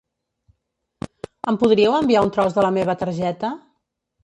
Em podríeu enviar un tros de la meva targeta?